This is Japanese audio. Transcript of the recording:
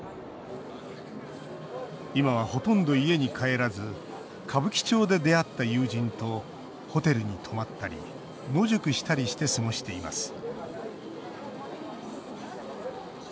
今は、ほとんど家に帰らず歌舞伎町で出会った友人とホテルに泊まったり野宿したりして過ごしています